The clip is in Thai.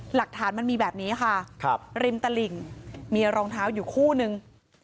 หลักฐานมันมีแบบนี้ค่ะริมตลิ่งมีรองเท้าอยู่คู่นึง